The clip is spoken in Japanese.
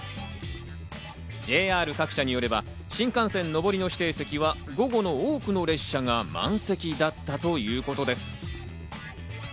ＪＲ各社によれば新幹線上りの指定席は午後の多くの列車が満席だったということです。